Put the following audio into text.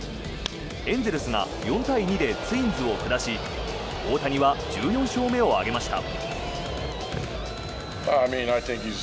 エンゼルスが４対２でツインズを下し大谷は１４勝目を挙げました。